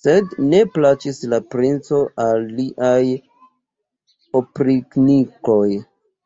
Sed ne plaĉis la princo al liaj opriĉnikoj.